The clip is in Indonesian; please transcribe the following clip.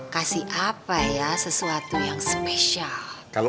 kasih apa ya sesuatu yang spesial